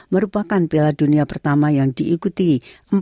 merupakan piala dunia pertama yang diikuti empat puluh delapan tim